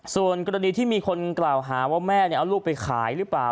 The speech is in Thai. ส่วนกรณีที่มีคนกล่าวหาว่าแม่เอาลูกไปขายหรือเปล่า